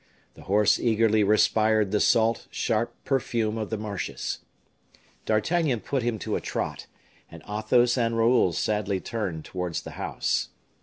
The horse eagerly respired the salt, sharp perfume of the marshes. D'Artagnan put him to a trot; and Athos and Raoul sadly turned towards the house.